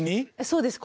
そうです